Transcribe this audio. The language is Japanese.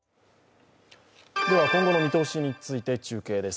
今後の見通しについて中継です。